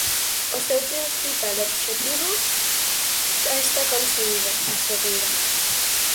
O seu principal obxectivo xa está "conseguido", asegura.